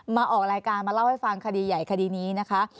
มาออกรายการมาเล่าให้ฟังคดีใหญ่คดีนี้นะคะ